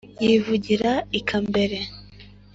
yivugira i kambere